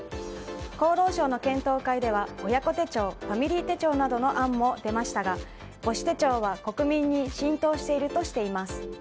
厚労省の検討会では親子手帳・ファミリー手帳などの案も出ましたが母子手帳は国民に浸透しているとしています。